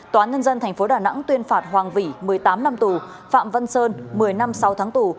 tòa nhân dân tp đà nẵng tuyên phạt hoàng vĩ một mươi tám năm tù phạm văn sơn một mươi năm sáu tháng tù